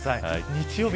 日曜日